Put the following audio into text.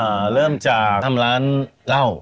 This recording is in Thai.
เริ่มจากทำร้านเหล้า